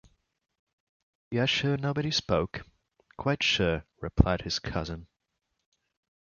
‘You are sure nobody spoke?’ ‘Quite sure,’ replied his cousin.